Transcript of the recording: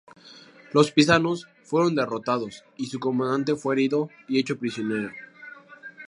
Los pisanos fueron derrotados, y su comandante fue herido y hecho prisionero.